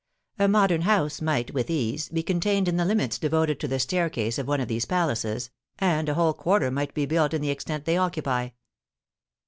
A modern house might, with ease, be contained in the limits devoted to the staircase of one of these palaces, and a whole quarter might be built in the extent they occupy.